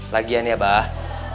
lagian ya bah